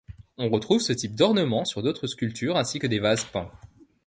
On retrouve ce type d'ornement sur d'autres sculptures ainsi que des vases peints.